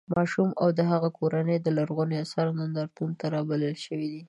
ماشوم او د هغه کورنۍ د لرغونو اثارو نندارتون ته رابلل شوي دي.